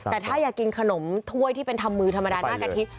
แต่ถ้าอยากกินขนมถ้วยที่เป็นทำมือธรรมดาหน้ากะทิ